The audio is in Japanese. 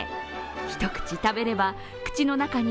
一口食べれば、口の中に